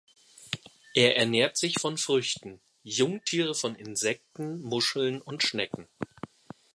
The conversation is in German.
Er ernährt sich von Früchten, Jungtiere von Insekten, Muscheln und Schnecken.